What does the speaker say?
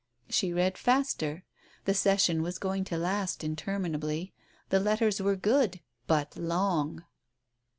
She read faster. The session was going to last interminably, the letters were good, but long